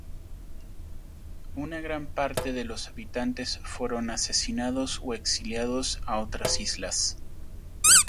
Una gran parte de los habitantes fueron asesinados o exiliados a otras islas.